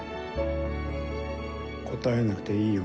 答えなくていいよ